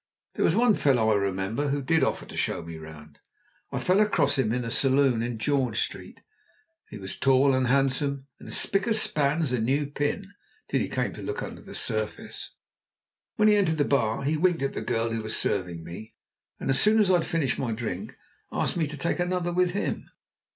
There was one fellow, I remember, who did offer to show me round: I fell across him in a saloon in George Street. He was tall and handsome, and as spic and span as a new pin till you came to look under the surface. When he entered the bar he winked at the girl who was serving me, and as soon as I'd finished my drink asked me to take another with him.